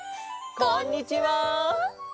こんにちは。